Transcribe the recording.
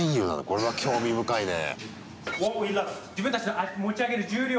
これは興味深いね。